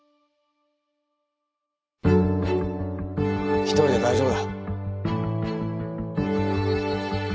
一人で大丈夫だ。